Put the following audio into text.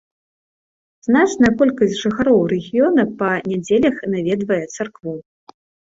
Значная колькасць жыхароў рэгіёна па нядзелях наведвае царкву.